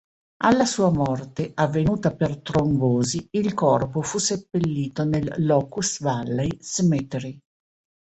Alla sua morte, avvenuta per trombosi, il corpo fu seppellito nel Locust Valley Cemetery.